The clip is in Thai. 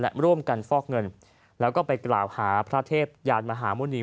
และร่วมกันฟอกเงินแล้วก็ไปกล่าวหาพระเทพยานมหาหมุณี